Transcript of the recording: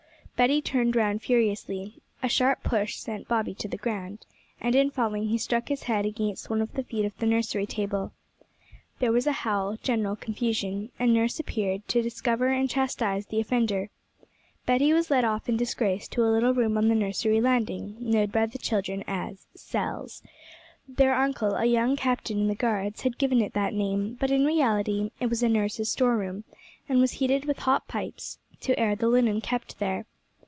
Betty turned round furiously; a sharp push sent Bobby to the ground, and in falling he struck his head against one of the feet of the nursery table. There was a howl, general confusion, and nurse appeared, to discover and chastise the offender. Betty was led off in disgrace to a little room on the nursery landing, known by the children as 'Cells.' Their uncle, a young captain in the Guards, had given it that name, but in reality it was nurse's storeroom, and was heated with hot pipes, to air the linen kept there.